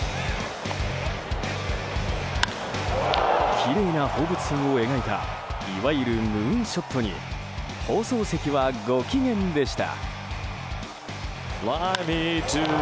きれいな放物線を描いたいわゆるムーンショットに放送席はご機嫌でした。